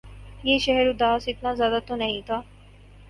یہ شہر اداس اتنا زیادہ تو نہیں تھا